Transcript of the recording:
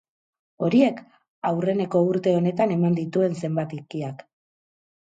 Horiek, aurreneko urte honetan eman dituen zenbakiak.